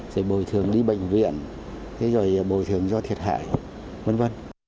rồi bồi thường đi bệnh viện thế rồi bồi thường do thiệt hại v v